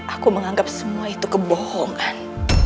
aku menganggap semua itu kebohongan